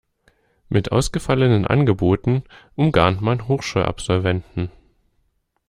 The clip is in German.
Mit ausgefallenen Angeboten umgarnt man Hochschulabsolventen.